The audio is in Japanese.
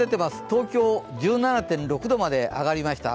東京、１７．６度まで上がりました。